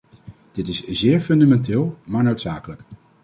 Dit is zeer fundamenteel maar noodzakelijk.